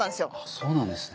そうなんですね。